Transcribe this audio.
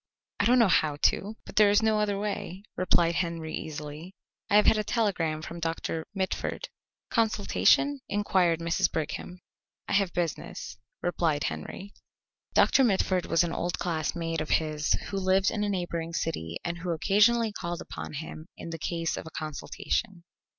"I don't know how to, but there is no other way," replied Henry easily. "I have had a telegram from Doctor Mitford." "Consultation?" inquired Mrs. Brigham. "I have business," replied Henry. Doctor Mitford was an old classmate of his who lived in a neighbouring city and who occasionally called upon him in the case of a consultation.